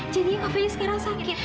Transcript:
jadinya kak fadil sekarang sakit